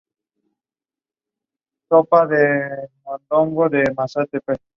El interior es elegante y sencillo.